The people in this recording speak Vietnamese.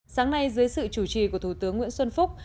sáng nay dưới sự chủ trì của thủ tướng nguyễn xuân phúc